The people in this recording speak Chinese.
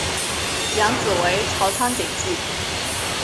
养子为朝仓景纪。